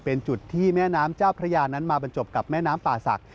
เป็นจุดที่แม่น้ำเจ้าพระยานั้นมาบรรจบกับแม่น้ำป่าศักดิ